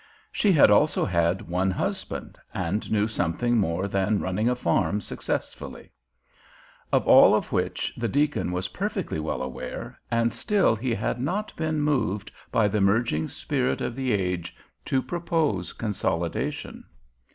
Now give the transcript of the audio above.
She had also had one husband, and knew something more than running a farm successfully. Of all of which the deacon was perfectly well aware, and still he had not been moved by the merging spirit of the age to propose consolidation.